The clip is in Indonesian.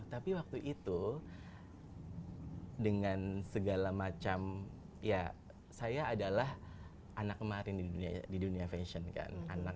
tapi waktu itu dengan segala macam ya saya adalah anak kemarin di dunia fashion kan